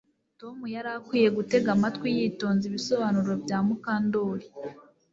Tom yari akwiye gutega amatwi yitonze ibisobanuro bya Mukandoli